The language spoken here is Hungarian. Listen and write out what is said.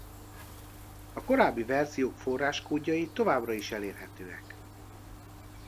A korábbi verziók forráskódjai továbbra is elérhetőek.